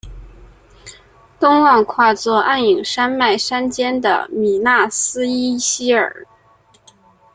东望跨坐黯影山脉山肩的米那斯伊希尔。